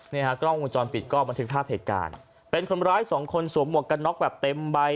กล้องวงจรปิดก็บันทึกภาพเหตุการณ์เป็นคนร้ายสองคนสวมหมวกกันน็อกแบบเต็มใบ